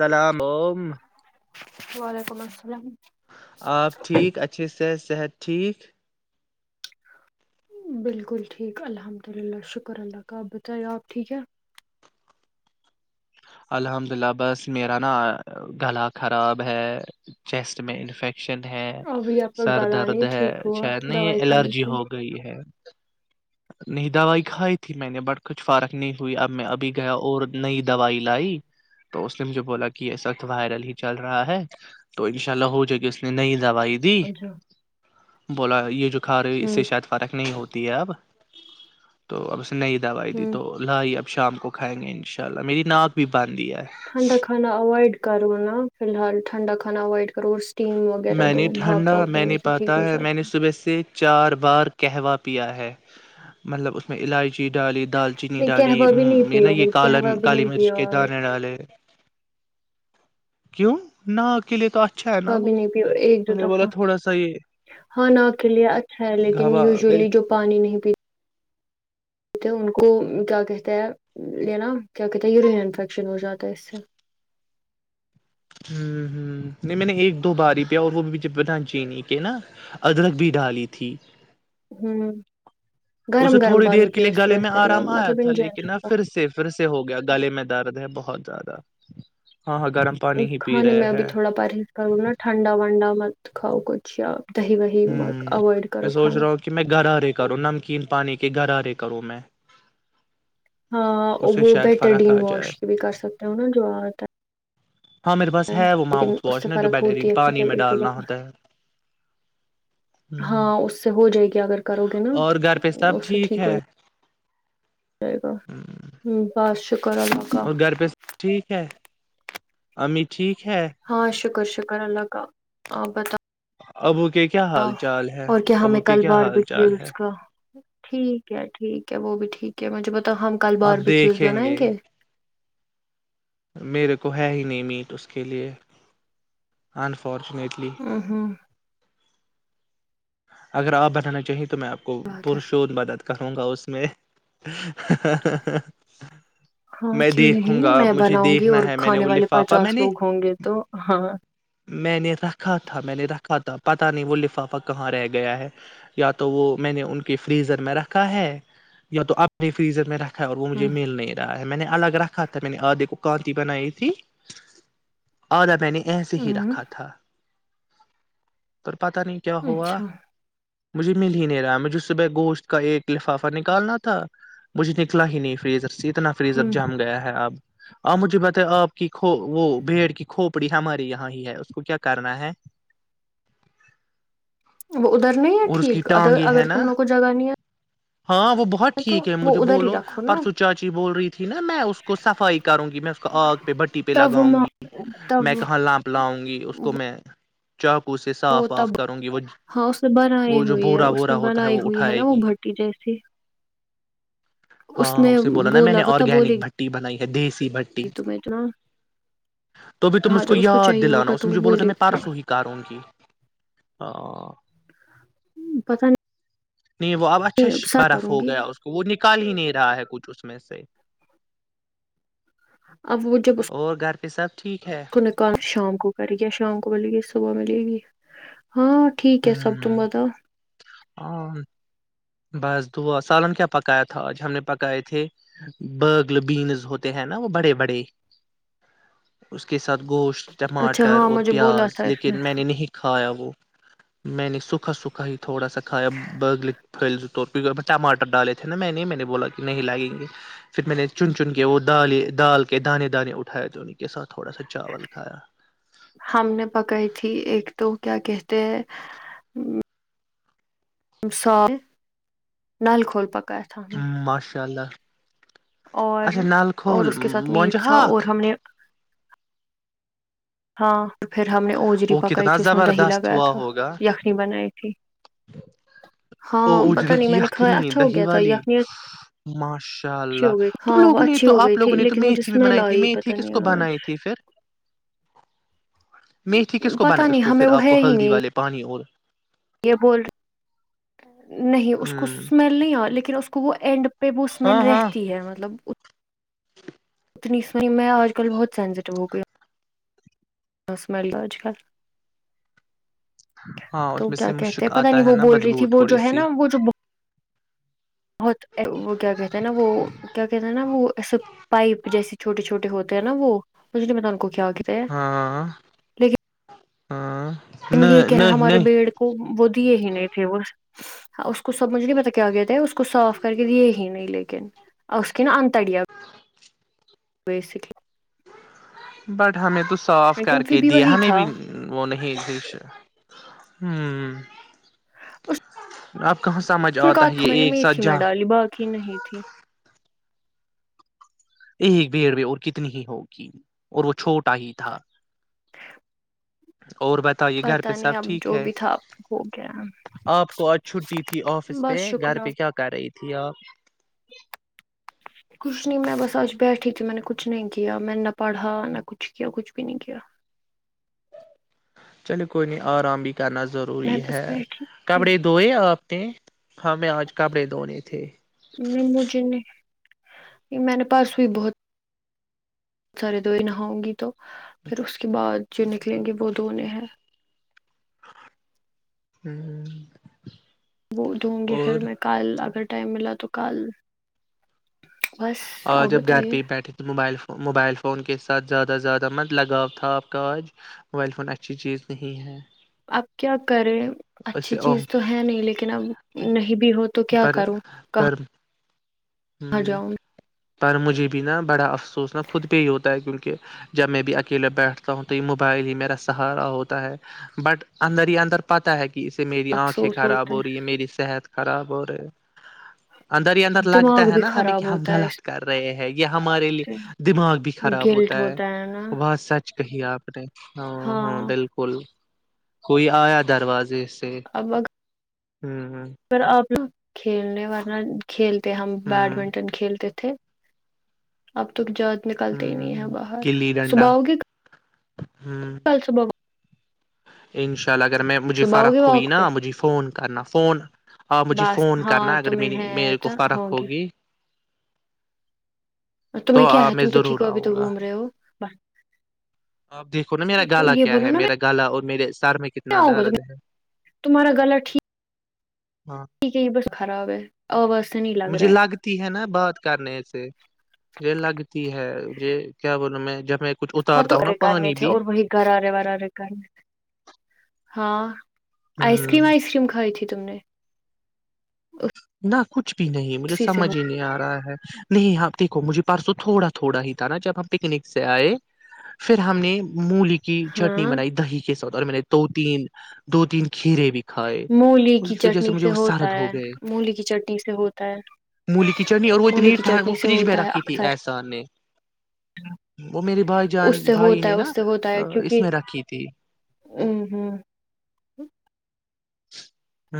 اللام عم [unintelligible] وعلیکم السلام آپ ٹھیک اچھے سے صحت ٹھیک بالکل ٹھیک الحمد للہ شکر اللہ کا آپ بتائیے آپ ٹھیک ہے الحمد للہ بس میرا نا گلا خراب ہے چیسٹ میں انفیکشن ہے ابھی آپ کا سر گلا درد نہیں ہے ٹھیک ہوا اچھا نہیں دوائی کھانی الرجی تھی ہو گئی ہے [unintelligible] ن دوائی کھائی تھی میں نے بٹ کچھ فارق نہیں ہوئی اب میں ابھی گیا اور نئی دوائی لائی تو اس نے مجھے بولا کہ ایس وت وائرل ہی چل رہا ہے تو ان شاء اللہ ہو جائے گی اس نے نہیں ل [unintelligible] ج بائییدی اچھا [unintelligible] بولا یہ جو کھا رہے اس سے ہوں شاید فرق نہیں ہوتی ہے اب تو نئی دوائی دی ہوں تو لائی اب شام کو کھائیں گے ان شاء اللہ میری ناک بھی باندھ دیا ہے ٹھنڈا کھانا اوائڈ کرو نا فی الحال ٹھنڈا کانا اوائڈ کرو اسٹیم وغیرہ میں نہیں دو بھاپ ٹھنڈا واپ میں دینے نہیں سے ٹھیک پاتا ہو ہے میں نے جاتا صبح سے چار ب بار کہوا پیا ہے مطلب اس میں الائجی ڈالی دال چینی نہیں ڈالی قہوہ بھی نہیں یہ نا پیو یہ کالا قہوہ بھی کالی نہیں مرچ پیو کے آپ، دانے ڈالے کیوں نہا کے لیے تو اچھا ہے نا قہوہ بھی وہ نہیں ایک دو میں نے بولا دفعہ تھوڑا سا یہ ہاں ن کے لے اچھا ہے لیکن گھاوا ہ یوزولی جو پانی نہیں پی ان کو کیا کہتا ہے یہ نا کیا کہتے ہیں یورین انفیکشن ہو جاتا ہے اس سے ہوں ہ نہیں میں نے ایک دو باری پیا اور وہ بھی ب چینی کے نا ادرک بھی ڈالی تھی ہوں گرم اسے گرم تھوڑی دیر پانی کے پیو لیے اس سے گلے میں بہتر ہے آرام آیا مطلب تھا ان لیکن اب پھر جنرل سے پھر سے ہو گیا گلے میں درد ہے بہت زیادہ ہاں ہاں گرم پانی ہی پی کھانے رہے میں اب ہیں تھوڑا پرہیز کروں نا ٹھنڈا ونڈا مت کھاؤ کچھ اچھا دحی وحی م ہوں اوائڈ کرو کھانا کرو نمکین پانی کے گغرارے کرو میں ہاں اس سے وہ شاید بیٹر فرق ڈین آ جائے واش بھی کر سکتے ہو نا جو آپ ہاں میرے پاس ہے وہ لیکن ماؤتھ اس واش سے نا جو فرق بیٹری ہوتی ہے پانی جہ میں ایک ڈالنا دہ ہوتا ہے ہاں اس سے ہو جائے گی اگر کرو گے نا اور گھر پہ سب اس سے ٹھیک ہو ہے جائے جائے گا ہ بس شکر اللہ کا ہممی ٹھیک ہے ہاں شکر شر شکر اللہ کا آپ بتا ابو کے کیا حال چال ہے اور کیا ابو ہمیں کے کل کیا حال چال ہے باربیکیوز کا ٹھیک ہے ٹھیک ہے وہ بھی ٹھیک ہے مجھے ب تو ہم کل آپ باربیکیوز دیکھیں بنائیں گے میرے کو ہے ہی نہیں میٹ اس کے لیے انف فارچونیٹلی ہ ہ اگر آپ بنانا چاہیں تو میں آپ کو بات پ ہے شھ بتاتا ہوں کروں گا اس میں ہاں میں کیوں دیکھوں نہیں گا میں مجھے بناؤں گی دیکھنا اور ہے میں نے کھانے وہ والے لفافہ میں پچاس نے لوگ ہوں گے تو ہاں میں نے رکھا تھا میں نے رکھا تھا پتہ نہیں وہ لفافہ کہاں رہ گیا گیا ہے یا تو وہ میں نے ان کے فریزر میں رکھا ہے یا تو اپنی فریزر میں رکھا اور وہ ہ مجھے مل نہیں رہا ہے میں نے الگ رکھا تھا میں نے آدھے کو کانتی بنائی تھی آھا میں نے ایسے ہی ہ رکھا تھا پتا نہیں کیا ہوا اچھا مجھے مل ہی نہیں رہا مجھے صبح گوشت کا ایک لفافہ نکالنا تھا مجھے نکنا ہی نہیں فریز س اتنا فریز اب ہ جم گیا ہے اب آپ مجھے بتائی آپ کی ک وہ بھیڑ کی کھوپڑی ہمارے یہاں ہی ہے اس کو کیا کرنا ہے وہ ادھر نہیں ہے اور اس کی ٹھیک اد ٹانگیں ہے اگر تم نا لوگوں کو جگہانی ہے ہاں وہ بہت تو ٹھیک ہے مجھے وہ ادھر ہی بولو رکھو نا پرسو چاچی بول رہی تھی نا میں اس کو صفائی کروں گی میں اس کو آگ پہ بٹی پہ تب وہ لگاؤں گی ما- میں تب کہاں لانپ لاؤں گی اس کو میں چاقوے صاف وہ واف تب کروں گی وہ ہاں اس نے بنائی وہ جو ہوئی ہے بورا اس وورا نے ہوتا بنائی وہ ہوئی ہے اٹھائے نا وہ گی بھٹی جیسی اس ہاں نے اسے نا میں بولا نے وہ تو آرگینک بولی گی بھٹی [unintelligible] ہے دیس [unintelligible] بھٹی تمہیں تو نا تو بھی تم ہاں مجھ کو جب اس یہ چاہیے دلانا ہوگا اس تو وہ مجھے بولا تھا بولے میں پارسو ہی کارون کی [unintelligible] پتہ نہیں [unintelligible] نہیں وہ اب اچھا برف ہو گیا اس کو وہ نکال ہی نہیں رہا ہے کچھ اس میں سے [unintelligible] اب وہ جب اس اور گھر پہ سب ٹھیک ہے اس کو نکال شام کو کر گیا شام کو [unintelligible] ملے گی صبح ملے گی ہاں ٹھیک [unintelligible] کیسب ہ تبد [unintelligible] ہاں بس دعا سالن کیا پکایا تھا آج ہم نے پکائے تھے برگل بینز ہوتے ہیں نا وہ بڑے بڑے اس کے ساتھ ساتھ گوشت اچھا ٹماٹر ہاں اور مجھے بولا پیاز تھا اس لیکن میں نے نہیں کھایا وہ [unintelligible] میں نے [unintelligible] سوکھا سوکھا ہی تھوڑا سا کھایا برگل پل ٹماٹر ڈالے تھے نا میں نہیں میں نے بولا کہ نہیں لگیں گے پھر میں نے چن چن کے وہال دال کے دانے دانے اٹھائے تھے انیں کے ساتھ تھوڑا سا چاول کھایا ہم نے پکائی تھی ایک تو کیا کہتے ہیں سال نل کھول پک [unintelligible] ماشاء اللہ [unintelligible] اور اچھا نل اور کھول اس کے ساتھ مونجہ میٹ تھا اور ہاک ہم نے [unintelligible] ہاں [unintelligible] اور پھر ہم نے اوجری وہ پکائی کتنا تھی اس میں دہی زبردست لگایا ہوا تھا ہوگا خنی بنائی تھی او ہاں پتا اجڑی نہیں کی میں نے کھایا خنی اچھا ہو دہی گیا تھا والی یخنی ماشاء اچھی اللہ ہو گئی تم ہاں وہ لوگوں نے اچھی تو ہو آپ گئی لوگوں تھی نے تو لیکن مجھے میھی بھی اسمیل بنائی تھی آئی میتھی پتا کس کو نہیں آج بنائی تھی پھر میٹھی کس کو بنا پتا اس نہیں کو ہمیں پھر وہ آپ کو ہے ہی ہلدی نہیں والے پانی اور یہ بول نہیں ہ اس کو اسمیل نہیں آ لیکن اس گ اینڈ پہ وہ اسمیل ہاں ہاں رہتی ہے مطلب اتنی سو میں آج کل بہت سینسٹیو ہو گئ ہ ہ سمائی لو آج کل ہاں تو اس میں کیا سے کہتے مشک ہیں پتا آتا نہیں ہے وہ نا بول رہی بدبو تھی وہ جو تھوڑی ہے سی نا وہ جو بہت وہ کیا کہتے ہیں نا وہ کیا کہتے ہیں نا وہسے پائپ جیسی چھوٹے چھوٹ ہوتے ہیں نا وہ اسے میں کو کیا کہتا ہے ہاں لیکن ہاں ت ن یہ کہہ رہے نہیں ہمارے نہیں بیڑ کو وہ دیے ہی نہیں تھے وہ کو سب مجھے نہیں پتا کیا گ تھ تھا اس کو صاف کر کے دیے ہی نہیں لیکن اس کےن اننتڑیا بیسکلی بٹ ہمیں تو صاف کر لیکن کے پھر بھی دیا وہی ہمیں تھا بھی وہ نہیں جٹی ہوں اب کہاں سمجھ اس نے کہا آتا ہے تو میں یہ نے ایک میتھی میں سجہ ڈالی باقی نہیں تھی ایک بھیڑ بھی اور کتنی ہی ہوگی اور وہ چھوٹا ہی تھا اور بتائیے گھر پہ پتا نہیں سب اب ٹھیک جو ہے بھی تھا ہو گیا آپ کو آج چھٹی تھی آفس پ بس شکر گھر پہ آپ کیا کر رہی تھی ا کیا آپ کچھ نہیں میں بس آج بیٹھی تھی میں نے کچھ نہیں کیا میں نے نہ پڑھا نہ کچھ کیا کچھ بھی نہیں کیا چلے کوئی نہیں آرام بھی کرنا ضروری میں بس ہے بیٹھی تھی کپڑے دئے آپ کہ ہمیں آج کپڑے دھونے تھے یہ میں نے پاس ہوئی بہت [inaudible] ہوں وہ دوں گی پھر میں کل اگر ٹائم ملا تو کل بس آج آپ اب گھر پہ بتائیے پہ بیٹھے تو موبائل فون موبائل فون کے ساتھ زیادہ زیادہ مت لگاؤ تھا آپ کا آج موبائل فون اچھی چیز نہیں ہے اپ کیا کریں اس اچھی سے چیز تو ہے نہیں لیکن اب نہیں بھی ہوتا پر پر کہاں جاؤں پر مجھے بھی نا بڑا افسوس نہ خود پہ ہی ہوتا ہے کیونکہ جب میں بھی اکیلے بیٹھتا ہوں تو یہ موبائل ہی میرا سہارا ہوتا ہے بٹ اندر ہی اندر پتہ ہے کہ اس سے میری آنکھیں افسوس خراب ہوتا ہو رہی ہیں میری صحت خراب ہو رہے اندر ہی اندر ہے لگ دماغ ہے بھی نا ہمیں کہ خراب ہم ہوتا ہے اس غلط کر رہے ہیں یا ہمارے لیے سے دماغ بھی خراب ہوتا ہے بات سچ کہیے آپ ہاں ہاں بالکل کوئی آیا دروازے سے ہوں پر اپ لا کھیلنے والنہ کھیل [unintelligible] ہم ہوں بیڈمنٹن کھیلتے تھے تھے اب تک جا نکلتے ہی نہیں ہیں ہوں باہر گلی ڈنڈا صبح آوگے ہوں کل صبح انشاء چل اگر میں مجھے صبح فرق ہوگی ہوئی واک نا پہ مجھے فون کرنا فون ہاں مجھے بس فون کرنا ہاں اگر تمہیں ہے میرے کو تو فرق ہوگی تمہیں تو کیا ہے میں تم تو ٹھیک ضرور ہو ابھی تو آؤں گا گھوم رہے ہو ب آپ دیکھو نا میرا گلہ کیا ہے میرا گالا اور میرے سر میں کیا کتنا ہوگا درد ہے تمہارا گلا ٹھیک ہاں ٹھیک ہے یہ بس خراب ہے اور بس مجھے لگتی ہے نا بات کرنے سے یہ لگتی ہے ج کیا بول رہا ہ میں جب میں کچھ ہاں تو اتارتا ہوں نا ارے کرنے پانی تھے بھی اور وہی گھر آرے وارارے کرنے تھے ہاں [unintelligible] آئس ہ کریم آئس کریم کو تھے تم نے ا نہ کچھ بھی نہیں مجھے سمجھ ہی نہیں آ رہا ہے نہیں ہاں دیکھو مجھے پرسو تھوڑا تھوڑا ہی تھا نا جب ہم پکنک سے آئے پھر ہم نے مولی کے کی چٹنی ہاں بنائی دہی کے سات اور میں نے دو تین دو تین کھیرے بھی کھائے مولی اس کی وجہ چٹنی مجھے سے وہ ہوتا سرد ہو ہے گئے م مولی کی چٹنی سے ہوتا ہے مولی کی چٹنی اور وہ مولی اتنی کی ٹھنڈ وہ چٹنی سے فریج میں ہوتا ہے رکھی تھی اکثر احسان نے وہ میرے بھائی جان اس سے بھائی ہوتا ہے نے نا اس سے ہوتا ہے اس کیونکہ میں رکھی تھی ہ ہ ہ [unintelligible] ہ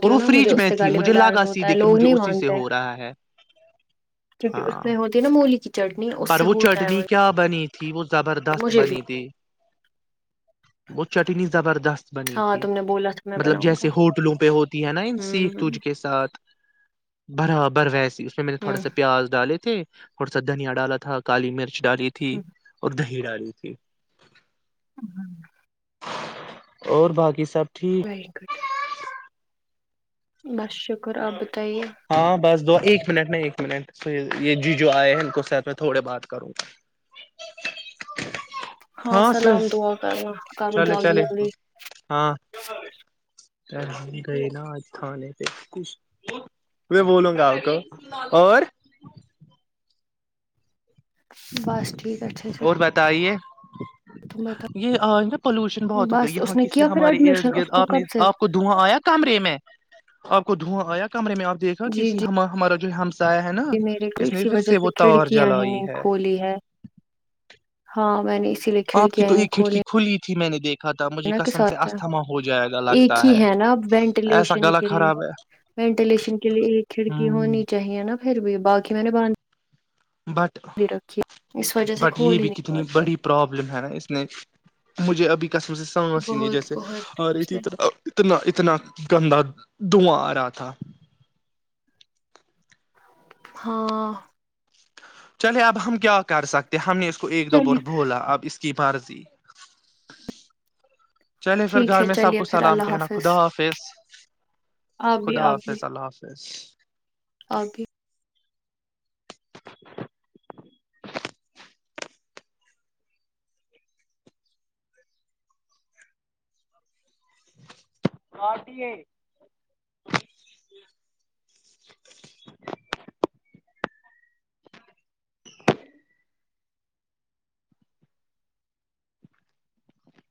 اور وہ فریج میں تھی ال میں مجھے دارد لگا ہوتا سیدھے ہے کہ لوگ مجھے نہیں اسی سے مانتے ہو رہا ہے کیک ہاں اس میں ہوتی نا [unintelligible] اس پر سے وہ ہوتا چٹنی ہے کیا بنی تھی وہ زبردست مجھے بھی بنی تھی وہو چٹنی زبردست بنی ہاں تھی تم نے بولا تھا میں مطلب بناؤں گا جیسے ہوٹلوں پہ ہوتی ہے نا ان سیکھ تجھ ہ کے ساتھ برابر ویس اس میں نے تھوڑ س ہ پیاز ڈالے [unintelligible] دنیاں ڈالا تھا کالی مرچ ڈالی تھی اور دہی بڑاڑی تھی [unintelligible] اور باقی سب ٹھیک ویری گڈ بس [unintelligible] آپ بتائیے ہاں بس دو ایک منٹ نہیں ایک منٹ تو یہ جی جو آئے ہیں ان کو ساتھ میں تھوڑے بات کروں گا ہاں سلام دا کرنا کرو چلے جلدی چلے جلدی پ ہی گئے نا آج تھانے پہ میں بولوں گا آ کو اور بس ٹھیک اچھا اچھا اور بتائیے یہ آ نا پالوشن بہت ہو گئی بس یہاں اس نے کسی کیا پھر ہمارے ارد ایڈمیشن گرد اس کو آپ نے کب سے آپ کو دھواں آیا کمرے میں آپ کوھواں آیا کمر میں آپیکھا جی کسی جی ہم ہمارا ہم نا جی میرے تو اس نے اسی پھر وجہ سے وہ تار کھڑکیاں ہی جلائی نہیں ہے کھولی ہے ہاں میں نے اسی لیے آپ کی تو ایک کھڑکی کھلی تھی میں نے دیکھا تھا مجھے ا کے قسم سے ساتھ استھما ہو جائے گا ایک لگتا ہی ہے نا ایسا وینٹیلیشن گلا کے لیے خراب ہے وینٹیلیشن کے لیے ایک کھڑکی ہ ہونی چاہیے نا پھر بھی بقی میں نے بٹ بھی رکھی ہے اس وجہ سے بٹ یہ کھول ہی بھی نہیں کتنی پاتے بڑی پرابلم ہے نا اس نے مجھے ابھی قسم سے س م سین بہت جیسے بہت اورتنا اتنا اتنا گندا داں آ رہا تھا ہاں چلے اب ہم کیا کر سکتے ہم نے اس کو ایک دو چلیے ب بولا اب اس کی بارضی چلے پھر ٹھیک گھر ہے میں سب چلیے کو پھر سلام اللہ کہنا خدا حافظ آپ خدا حافظ اللہ حافظ [inaudible] آگے پارٹیے [unintelligible]